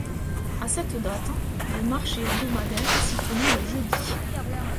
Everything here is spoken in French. À cette date, le marché hebdomadaire s'y tenait le jeudi.